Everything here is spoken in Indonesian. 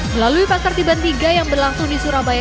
melalui pasar tiban tiga yang berlangsung di surabaya